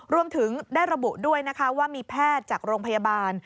รวมถึงได้ระบุด้วยนะคะว่ามีแพทย์จากโรงพยาบาล